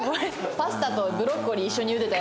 パスタとブロッコリー一緒にゆでたやつ。